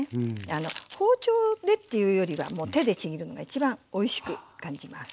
あの包丁でっていうよりはもう手でちぎるのが一番おいしく感じます。